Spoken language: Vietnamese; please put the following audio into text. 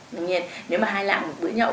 tuy nhiên nếu mà hai lạng một bữa nhậu